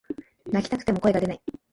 泣きたくても声が出ない